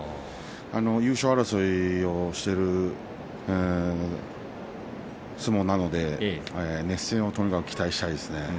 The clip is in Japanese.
優勝争いをしている相撲なので熱戦をとにかく期待したいですね。